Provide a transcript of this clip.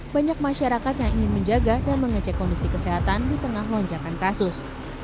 banyak masyarakat yang ingin menjaga dan mengecek kondisi kesehatan di tengah lonjakan kasus